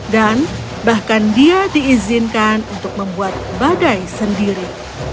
dan bahkan dia diizinkan untuk membuat badai sendiri